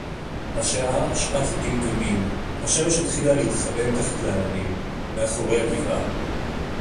הַשָּׁעָה שְׁעַת דִּמְדּוּמִים. הַשֶּׁמֶשׁ הִתְחִילָה לְהִתְחַבֵּא מִתַּחַת לָעֲנָנִים, מֵאֲחוֹרֵי הַגִּבְעָה.